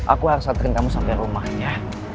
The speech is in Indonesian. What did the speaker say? aku harus aturin kamu sampai rumah ya